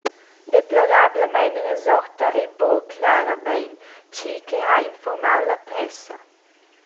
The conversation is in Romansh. Deplorablamein resorta ei buca claramein tgi che ha informau la pressa.